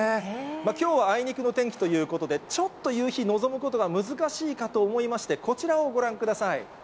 きょうはあいにくの天気ということで、ちょっと夕日、望むことは難しいかと思いまして、こちらをご覧ください。